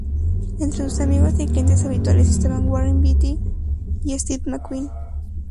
Entre sus amigos y clientes habituales estaban Warren Beatty y Steve McQueen.